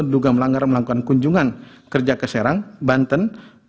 diduga melanggar melakukan kunjungan kerja ke serang banten